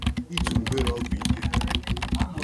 ịtụ mgbere ọgwụ ike